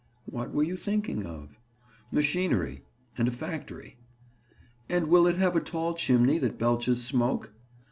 "What were you thinking of?" "Machinery. And a factory." "And will it have a tall chimney that belches smoke?"